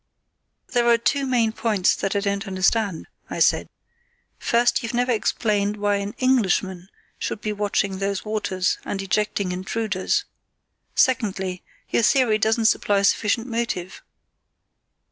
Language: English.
"There are two main points that I don't understand," I said. "First, you've never explained why an Englishman should be watching those waters and ejecting intruders; secondly, your theory doesn't supply sufficient motive.